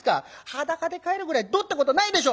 裸で帰るぐらいどうってことないでしょ！